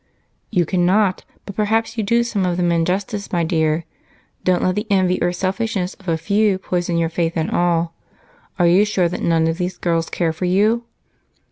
"You cannot, but perhaps you do some of them injustice, my dear. Don't let the envy or selfishness of a few poison your faith in all. Are you sure that none of these girls care for you?"